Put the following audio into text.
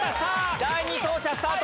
第２走者スタート。